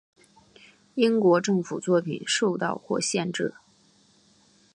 英国政府作品受到或限制。